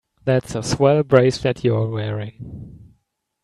That's a swell bracelet you're wearing.